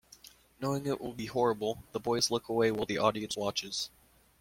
Knowing it will be horrible the boys look away while the audience watches.